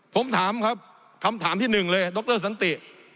ผมถามครับคำถามที่หนึ่งเลยดรสันติ